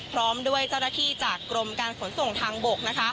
พร้อมด้วยจรภีษจากกลมการขนส่งทางบก